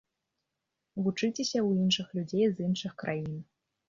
Вучыцеся ў іншых людзей з іншых краін.